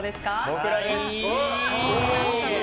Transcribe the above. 僕らです。